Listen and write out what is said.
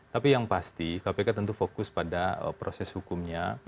tapi yang pasti kpk tentu fokus pada proses hukumnya